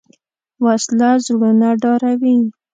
وسله زړونه ډاروي